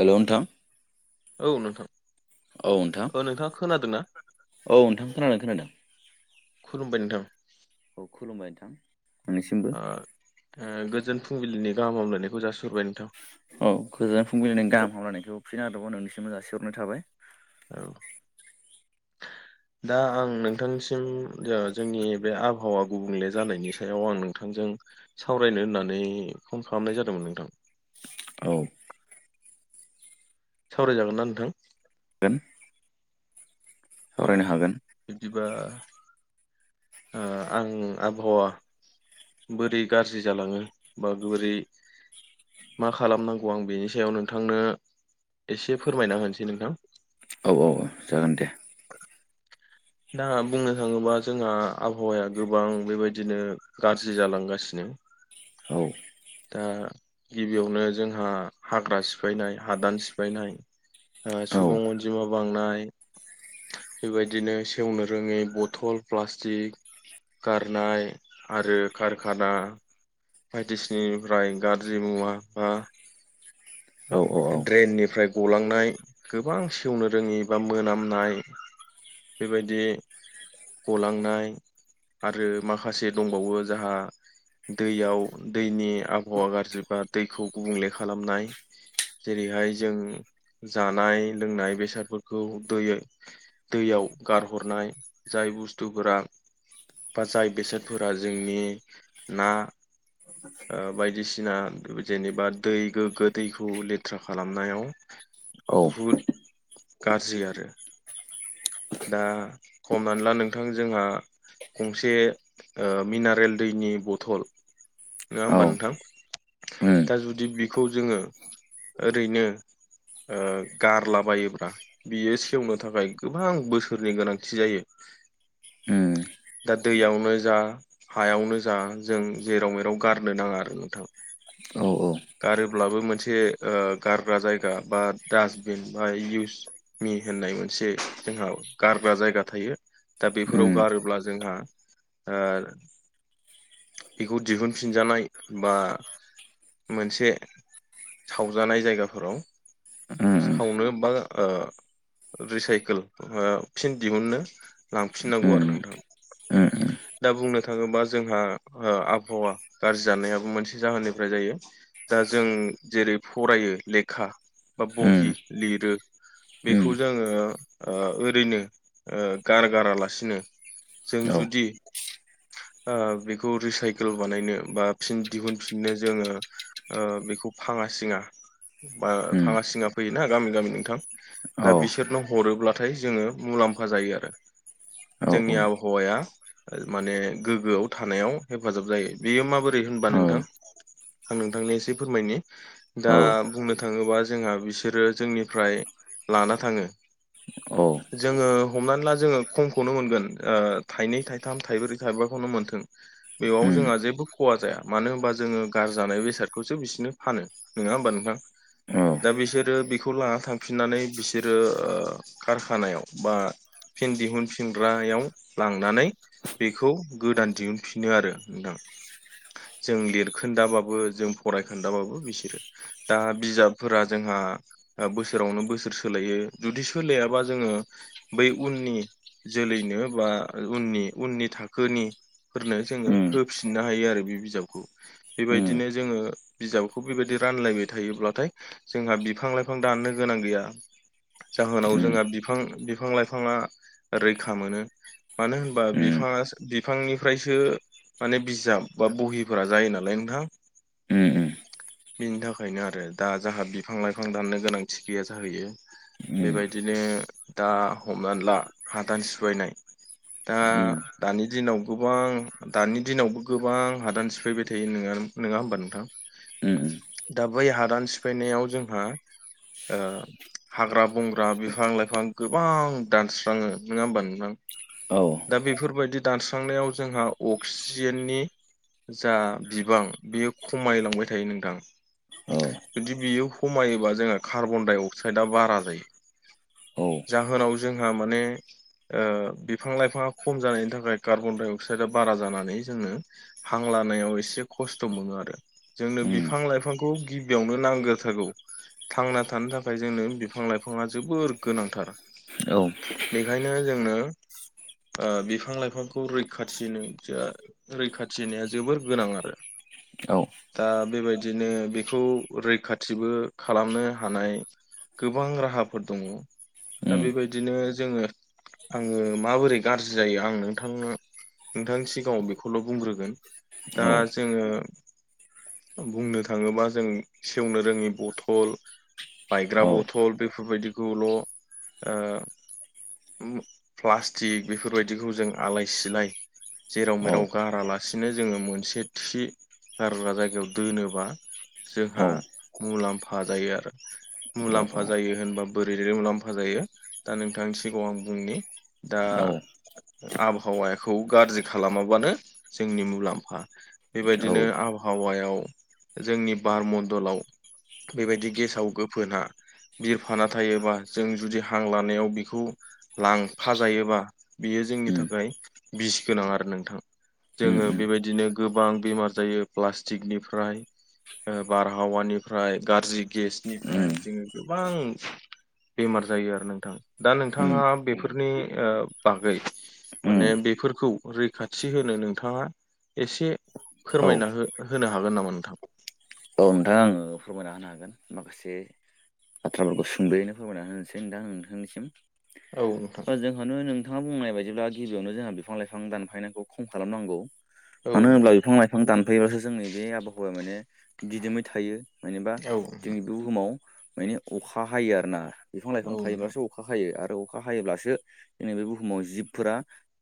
हेल' नोंथां औ नोंथां औ नोंथां औ नोंथाङा खोनादोंना औ नोंथां खोनादों खोनादों खुलुमबाय नोंथां औ खुलुमबाय नोंथां नोंनिसिमबो ओ गोजोन फुंबिलिनि गाहाम हामलायनायखौ जासि औ गोजोन फुंबिलिनि गाहाम हामलायनायखौ फिनो नागादोंबाव नोंनिसिमबो जासिहरनाय थाबाय औ दा आं नोंथांसिम जोंनि बे आबहावा गुबुंले जानायनि सायाव आं नोंथांजों सावरायनो होननानै फन खालामनाय जादोंमोन नोंथां औ सावरायजागोन ना नोंथां [unintelligible] [inaudible] अ सावरायनो हागोन बिदिबा ओ आं आबहावा बोरै गाज्रि जालाङो बा बोरै मा खालामनांगौ आं बेनि सायाव नोंथांनो एसे फोरमायना होनोसै नोंथां औ औ औ जागोन दे दा बुंनो थाङोबा जोंहा आबहावाया गोबां बेबायदिनो गाज्रि जालांगासिनो [unintelligible] [inaudible] औ दा गिबियावनो जोंहा हाग्रा सिफायनाय हादान सिफायनाय ओ औ औ सुबुं अनजिमा बांनाय बेबायदिनो सेवनो रोङै बथल प्लास्टिक गारनाय आरो कारखाना बायदिसिना निफ्राय गाज्रि मुवा बा औ ड्रेननिफ्राय गलांनाय गोबां सेवनो रोङि बा मोनामनाय बेबायदि गलांनाय आरो माखासे दंबावो जाहा दैयाव दैनि आबहावा गाज्रिबा दैखौ गुबुंले खालामनाय जेरैहाय जों जानाय लोंनाय बेसादफोरखौ दै दैयाव गारहरनाय जाय बुस्थुफोरा बा जाय बेसादफोरा जोंनि ना बायदिसिना जेनेबा दै गोग्गो दैखौ लिर बाथ्रा खालामनायाव औ बहुद गाज्रि आरो दा हमनानै ला नोंथां जोंहा गंसे ओ मिनारेल दैनि बथल नङा औ होमबा नोंथां। उम दा जुदि बेखौ जोङो। ओरैनो ओ गारलाबायोब्ला बियो सेवनो थाखाय गोब बां बोसोरनि गोनांथि जायो। उम दा दैयावनो जा हायावनो जा जों जेराव मेराव गारनो नाङा आरो नोंथां। औ गारोब्लाबो मोनसे ओ गारग्रा जायगा बा डास्टबिन बा इउस मि मि होननाय मोनसे जोंहा गारग्रा जायगा थायो दा बेफोराव उम गारोब्ला जोंहा ओ बिखौ दिहुनफिनजानाय बा मोनसे सावजानाय जायगाफोराव उम सावनो बा ओ रिसाइकेल ओ फिन दिहुननो लांफिननांगौ आरो नोंथां। दा बुंनो थाङोबा जोंहा ओ आबहावा गाज्रि जानायाबो मोनसे जाहोननिफ्राय जायो। दा जों जेरै फरायो लेखा बा बहि उम लिरो उम बेखौ जोङो ओ ओरैनो ओ गारगारालासिनो जों औ जुदि ओ बेखौ रिसाइकेल बानायनो बा फिन दिहुनफिननो जोङो ओ बेखौ फाङा सिङा बा उम भाङा सिङा फैयोना गामि गामि नोंथां औ दा बिसोरनो हरोब्लाथाय जोङो मुलाम लाम्फा जायो आरो। औ जोंनि आबहावाया माने गोग्गोआव थानायाव हेफाजाब जायो बेयो माबोरै होनबा नोंथां आं नोंथांनि एसे फोरमायनि दा औ बुंनो थाङोबा जोंहा बिसोरो जोंनिफ्राय लाना थाङो अ जोङो हमनानै ला जोङो खमखौनो मोनगोन ओ थाइनै थाइथाम थाइब्रै थाइबाखौनो मोनथों बेयाव उम जोंहा जेबो खहा जाया मानो होनबा जोङो गारजानाय बेसादखौसो बिसनो फानो नोङा होमबा नोंथां? औ दा बिसोरो बेखौ लाना थांफिननानै बिसोरो ओ कारखानायाव बा फिन दिहुनफिनग्रायाव लांनानै बेखौ गोदान दिहुनफिनो आरो नोंथां जों लिर खोन्दाबाबो जों फराय खोनदाबाबो बिसोरो दा बिजाबफोरा जोंहा ओ बोसो सोरावनो बोसोर सोलायो जुदि सोलायाबा जोङो बै उननि जोलैनो बा आ उननि उननि थाखोनि फोरनो जोङो उम उम होफिननो हायो आरो बे बिजाबखौ। बेबायदिनो जोङो बिजाबखौ बेबायदि रानलायबाय थायोब्लाथाय जोंहा बिफां लाइफां दाननो गोनां गैया जाहोनाव जोंहा बिफां बिफां लाइफाङा रैखा मोनो। मानो होनबा बिफाङा बिफांनिफ्रायसो माने बिजाब बा बहिफोरा जायो नालाय नोंथां। उम उम। बिनि थाखायनो आरो दा जाहा बिफां लाइफां दाननो गोनांथि गैया जाहैयो। उम बेबायदिनो दा हमनानै ला हादान सिफानाय दा उम उम दानि दिनाव गोबां दानि दिनावबो गोबां हादान सिफायबाय थायो नोङा नोङा होमबा नोंथां उम दा बै हादान सिफायनायाव जोंहा ओ हाग्रा बंग्रा बिफां लाइफां गोबां दानस्राङो नोङा होमबा नोंथां? औ दा बेफोरबायदि दानस्रांनायाव जोंहा अक्सिजेननि जा बिबां बियो खमायलांबाय थायो नोंथां। औ जुदि बियो खमायोबा जोंहा कार्बन डाइ अक्साइदआ बारा जायो। औ जाहोनाव जोंहा माने ओ बिफां लाइफाङा खम जानायनि थाखाय कार्बन डाइ अक्साइदआ बारा जानानै जोंनो हां ला लानायाव एसे खस्थ' मोनो आरो जोंनो उम बिफां लाइफांखौ गिबियावनो नांग्रोथारगौ। थांना थानो थाखाय जोंनो बिफां लाइफाङा जोबोर गोनांथार औ बेखायनो जोंनो बिफां लाइफांखौ रैखाथिनो रैखाथिनाया जोबोर गोनां आरो। औ। दा बेबायदिनो बेखौ रैखाथिबो खालामनो हानाय। गोबां राहाफोर दङ। दा उम बेबायदिनो जोङो आङो माबोरै गाज्रि जायो आं नोंथांनो। नोंथां सिगाङाव बेखौल' बुंग्रोगोन दा औ जोङो बुंनो थाङोबा जों सेवनो रोङि बथल। औ बायग्रा बथल बेफोरबायदिखौल'। प्लास्टिक बेफोरबायदिखौ जों आलाय सिलाय। जेराव मेराव गारालासिनो जोङो मोनसे। थि गारग्रा जायगायाव दोनोबा। जोंहा मुलाम्फा जायो आरो। औ मुलाम्फा जायो होनबा बोरैै मुलाम्फा जायो। दा नोंथांनि सिगाङाव आं बुंनि दा औ आबहावाखौ गाज्रि खालामाब्ला। जोंनि मुलाम्फा। औ बेबायदिनो आबहावायाव जोंनि बार मडलाव बेबायदि गेसाव गोफोना। बिरफाना थायोबा जों जुदि हां लानायाव बिखौ लांफा जायोबा बियो। जोंनि उम थाखाय बिस गोनां आरो नोंथां उम जोङो बेबायदिनो गोबां। बेमार जायो प्लास्टिकनिफ्राय। बारहावानिफ्राय गाज्रि उम गेसनिफ्राय जोङो गोबां। बेमार जायो आरो नोंथां दा उम नोंथाङा बेफोरनि बागै उम माने बे। बेफोरखौ रैखाथि होनो नोंथाङा एसे औ फोरमायना होनो हागोन नामा नोंथ। औ नोंथाङा आङो फोरमायना होनो हागोन माखासे। एसे बाथ्राफोरखौ सुंद'यैनो फोरमायना होनोसै नोंथां नोंथांनिसिम। औ नोंथां बा जोंहानो नों। नोंथाङा बुंनाय बायदिब्ला गिबियावनो जोंहा बिफां लाइफां दानफायनायखौ खम खालामनांगौ। औ मानो होनोब्ला नोंथां बिफां लाइफां दानफैब्लाासो जोंनि बे आबहावाया मान दिदोमै थायो मानबा औ जोंनि बुहुमाव माने अखा हायो आरोना बिफां लाइफां नोंथां थायोब्लाासो अखा हायो आरो। अखा हायोब्लासो ज बे बुहुमाव जिबफोरा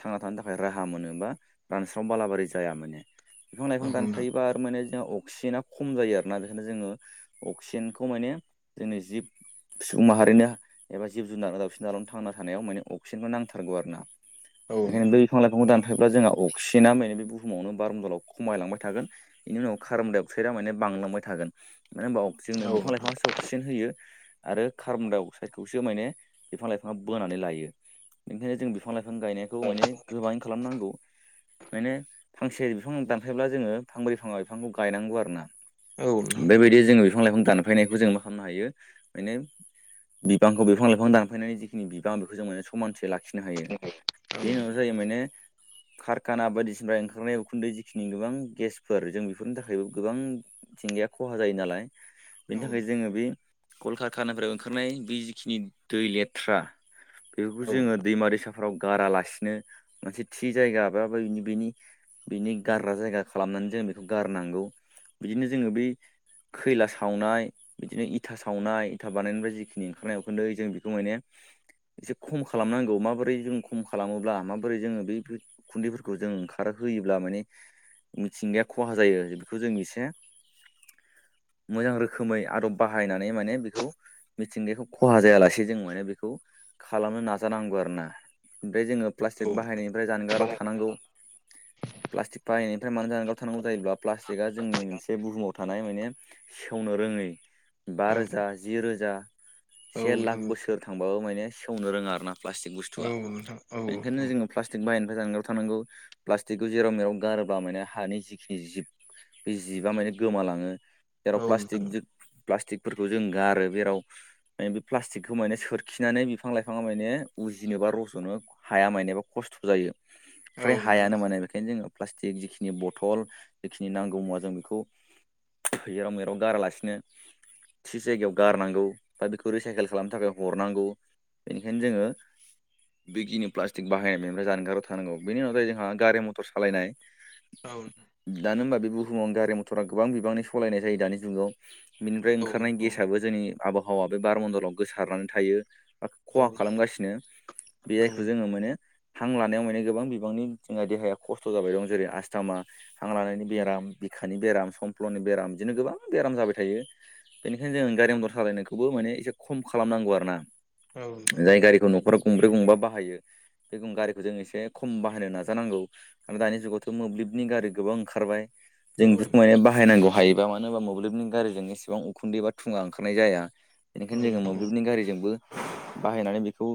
थांना थानो थाखाय राहा मोनो बा रानस्राव। बालाबारि जाया माने बिफां लाइफां दानफायोबा आरो माने जोंआ अक्सिजेना। खम जायो आरोना बेखायनो जोङो अक्सिजेनखौ माने जोंनि जिब। सुबुं माहारिनो एबा जिब जुनार दावउसिन दावलानो थांना थानायाव माने अक्सिजेनखौ नांथारगौ आरो ना। औ नोंथां औ बेखाइनो बै बिफां लाइफांखौ दान। थब्ला जोंहा अक्सिजेना माने बे बुहुमावनो बारम दलाव खमायलांबाय थागोन बेनि उनाव खारमदायाव। अक्सडा माने बांलांबाय थागोन मानो होनबा अ जोंनो बिफां नोंथां लाइफांआसो अक्सिजेन होयो। आरो कार्बन डाइ अक्साइदखौसो माने बिफां लाइफाङा बोनानै लायो बेनिखायनो जों बिफां लाइफां। बिफां गायनायखौ माने गोबाङै खालामनांगौ। माने फांसे बिफां दानफायब्ला जोङो फांब्रै फांबा बिफांखौ गायनांगौ आरो। ना औ नोंथां औ नोंथां बेबायदि जोङो बिफां लाइफां दानफैनायखौ जों मा खालामनो हायो मे। बिफांखौ बिफां लाइफां दानफैनायनि जिखिनि बिबां बेखौ जों माने समानसे लाखियो। खिनो हायो बेनि उनाव जायो माने। कारखाना बायदिसिना ओंखारनाय उखुन्दै जिखिनि गोबां गेसफोर जों बेफोरनि थाखायबो। गोबांथिंगाया खहा जायो नालाय बेनि थाखाय जोङो बे कलकातानिफ्राय ओंखारनाय बे जिखिनि दै लेथ्रा बेफोरखौ औ जोङो दैमारि साफ फोराव गारालासिनो मोनसे थि जायगा बेनि बिनि गारग्रा जायगा खालामनानै जों बेखौ गारनांगौ बिदिनो जोङो बै। खैला सावनाय, बिदिनो इथा सावनाय, इथा बानायनायनिफ्राय जिखिनि ओंखारनाय उखुनदै जों बेखौ माने। एसे खम खालामनांगौ माबोरै जों खम खालामोब्ला माबोरै जोङो बै उखुन्दैफोरखौ जों ओंखारो होयोब्ला माने मिथिंगाया खहा जायो बेखौ जों एसे मोजां रोखोमै आदब बाहायनानै माने बेखौ मिथिंगाखौ खहा जायालासे जों माने बेखौ खालामनो नाजानांगौ आरो ना। जोङो औ प्लास्टिक बाहायनायनिफ्राय जानगाराव बाहाय थानांगौ। प्लास्टिक बाहनायनिफ्राय मानो जानगाराव थनांगौ जायोब्ला प्लास्टिकआ जोंनि मोनसे बुहुमाव थानाय माने सेवनो रोङै बा औ रोजा, जि रोजा औ से लाख नोंथां बोसोर थांबाबो माने सेवनो रोङा आरोना प्लास्टिक औ बुस्थुआ। नोंथां औ बेनिखायनो जोङो प्लास्टिक बाहायनायनिफ्राय जानगाराव थांनांगौ प्लास्टिकखौ जेराव मेराव गारोब्ला माने हानि जिखिनि जिब बे जिबा माने गोमालाङो जेराव औ प्लास्टिक नोंथां जो प्लास्टिकफोरखौ जों गारो, जेराव माने बे प्लास्टिकखौ माने सोरखिनानै बिफां लाइफाङा माने उजिनोबा रज'नो हाया मानेबा खस्थ' खस्थ' जायो औ नोंथां औ फ्राय नोंथां हायानो माने बेखायनो जोङो प्लास्टिक जिखिनि बथल जेखिनि नांगौ मुवा जों बेखौ जेराव मेराव गारालासिनो थि जायगायाव गारनांगौ बा बेखौ रिसाइकेल खालामनो थाखाय हरनांगौ। बेनिखायनो जोङो बेखिनि प्लास्टिक बाहायनाय बेनिफ्राय जानगाराव थानांगौ बेनि उनावाय जोंहा गारि मथर सालायनाय औ दानो होनबा बे बुहुमावनो गारि मथरा गोबां बिबांनि सालायनाय जायो दानि जुगाव बिनिफ्राय औ ओंखारनाय गेसाबो जोंनि आबहावा बे बार मनण्डलाव गोसारनानै थायो। ख'हा खालामगासिनो बे आयखौ जोङो मोनो। हां लानायाव माने गोबां बिबांनि जोंहा देहाया खस्थ' जाबाय दं जेरै आसस्थामा हां लानायनि बेराम, बिखानि बेराम, समफ्लनि बेराम, बिदिनो गोबां बेराम जाबाय थायो। बेनिखायनो जों गारि मटर सालायनायखौबो माने एसे खम खालामनांगौ आरो ना। जाय गारिखौ न'खराव गंब्रै, गंबा बाहायो बेखौ गारिखौ जों एसे खम बाहायनो नाजानांगौ आरो दानि जुगावथ' मोब्लिबनि गारि गोबां ओंखारबाय जों बेफोरखौ माने बाहायनांगौ। हायोबा मानो होनबा मोब्लिबनि गारिजों एसेबां उखुन्दै बा थुङा ओंखारनाय जाया। बेनिखायनो जोङो मोब्लिबनि गारिजोंबो बाहायनानै बेखौ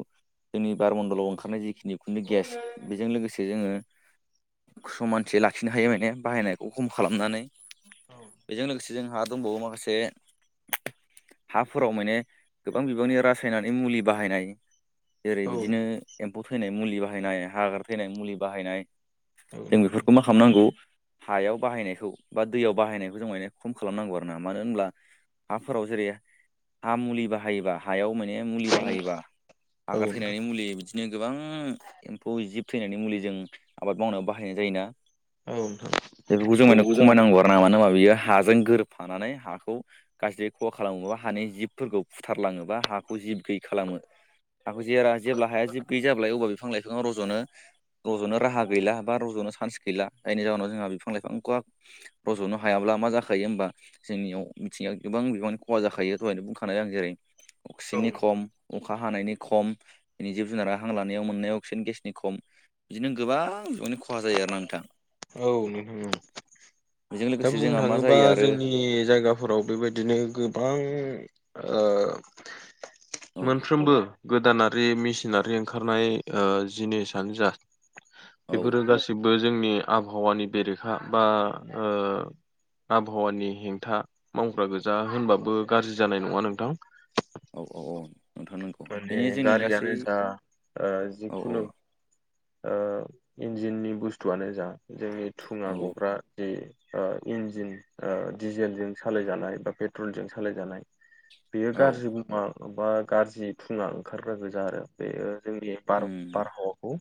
जोंनि बार मण्दलाव ओंखारनाय जिखिनि खुन्दु गेस बेजों लोगोसे जोङो समानथि लाखिनो हायो माने बाहायनायखौ खम खालामनानै बेजों लोगोसे जोंहा दंबावो माखासे हाफोराव माने गोबां बिबांनि रासायनारि मुलि बाहायनाय जेरै बिदिनो एम्फौ थैनाय मुलि बाहायनाय, हाग्रा थैनाय मुलि बाहायनाय, नोंथां औ जों बेफोरखौ नोंथां मा खौ हायाव बाहायनायखौ, बा दैयाव बाहायनायखौ, जों माने खम खालामनांगौ आरो ना मानो होनब्ला हाफोराव जेरै हा मुलि बाहायोबा हायाव मोने मुलि बाहायोबा हाग्रा थैनायनि मुलि बिदि नो गोबां एम्फौ जिब थैनायनि मुलि जों आबाद मावनायाव बाहायनाय जायोना। औ नोंथां बेफोरखौ जों माने खमायनांगौ आरो ना मानो होनबा बियो हा जों गोरोबफानानै हाखौ गाज्रि खहा खालामोबा हानि जिबफोरखौ फुथारलाङोबा हाखौ जिब गैयि खालामो हाखौ जेरा-जेब्ला हाया जिब गैयै जाबाय अब्ला बिफां लाइफाङा रज'नो रज'नो राहा गैला बा रज'नो सानस गैला जायनि जाहोनाव जोंहा बिफां लाइफांखौ रज'नो हायाब्ला मा जाखायो होनबा जोंनियाव मिथिं आव गोबां बिबांनि खहा जाखायो दहायनो बुंखानाय आं जेरै अक्सिजेननि औ खम अखा हानायनि खम इनि जिब-जुनारा हां लानायाव मोननायाव अक्सिजेन गेसनि खम बिदिनो गोबां नि खहा जायो आरो ना नों औ बेजों दा लोगोसे बुंनो जोंहा मा थाङोबा जायो आरो जोंनि जायगाफोराव बेबायदिनो गोबां ओ औ मोनफ्रोमबो गोदानारि मेचिनारि ओंखारनाय जिनिसआनो जा औ बेफोरो गासिबो जोंनि आबहावानि बेरेखा बा ओ आबहावानि हेंथा मावग्रा गोजा होनबाबो गाज्रि जानाय नङा नोंथां। औ-औ-औ नोंथां। माने बेनि जोंनि गासै गारियानो जा ओ औ औ जिखुनु ओ इन्जिननि बुस्थुआनो जा जोंनि थुङा औ गग्रा जि ओ इन्जिन ओ डिजेलजों सालायजानाय बा पेट्रलजों सालायजानाय बेयो औ गाज्रि [unintelligible] बा गाज्रि थुङा ओंखारग्रा गोजा आरो बेयो। जोंनि बार उम बारहावाखौ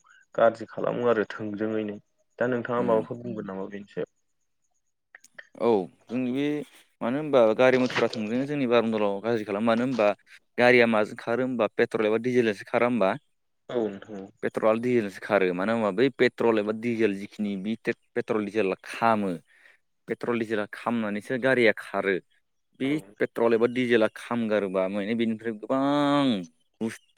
गाज्रि खालामो आरो थोंजोङैनो दा नोंथाङा उम माबाफोर बुंगोन नामा बेनि सायाव? [unintelligible] गारिया माजों खारो होमबा पेट्रल एबा डिजेलजोंसो खारा होमबा औ नोंथां पेट्रल आरो डिजेलजोंसो खारो मानो होनबा बै पेट्रल एबा डिजेल जिखिनि बि पेट्रल डिजेला खामो पेट्रल डिजेला खामनानैसो गारिया खारो बि औ औ पेट्रल एबा दिडिजेला खामगारोबा माने बेनिफ्राय गोबां